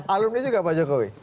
alumni juga pak jokowi